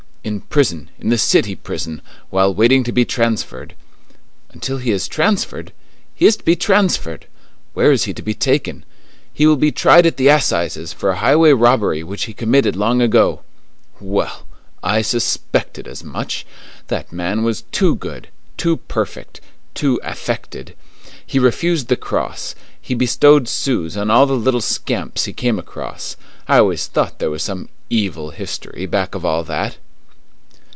"In prison, in the city prison, while waiting to be transferred." "Until he is transferred!" "He is to be transferred!" "Where is he to be taken?" "He will be tried at the Assizes for a highway robbery which he committed long ago." "Well! I suspected as much. That man was too good, too perfect, too affected. He refused the cross; he bestowed sous on all the little scamps he came across. I always thought there was some evil history back of all that."